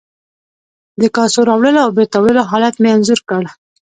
د کاسو راوړلو او بیرته وړلو حالت مې انځور کړ.